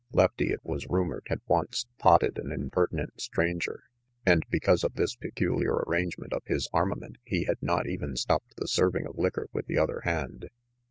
Lefty, it was rumored, had once " potted " an impertinent stranger, and because of this peculiar arrangement of his armament he had not even stopped the serving of liquor with the other hand.